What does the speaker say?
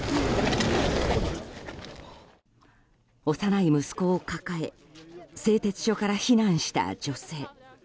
幼い息子を抱え製鉄所から避難した女性。